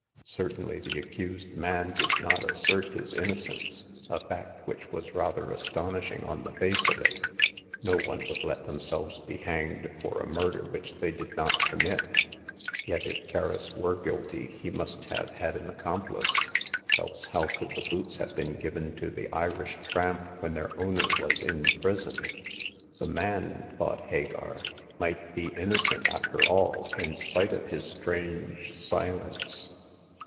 Certainly the accused man did not assert his innocence — a fact which was rather astonishing on the face of it. No one would let themselves be hanged for a murder which they did not commit. Yet, if Kerris were guilty, he must have had an accomplice, else how could the boots have been given to the Irish tramp when their owner was in prison ? The man, thought Hagar, might be innocent after all, in spite of his strange silence.